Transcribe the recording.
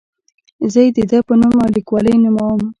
زه یې د ده په نوم او لیکلوالۍ نوموم.